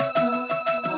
nih aku tidur